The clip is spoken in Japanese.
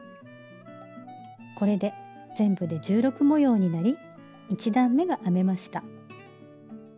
これで全部で１６模様になり１段めが編めました。